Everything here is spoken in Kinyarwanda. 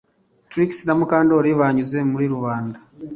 Trix na Mukandoli banyuze muri rubanda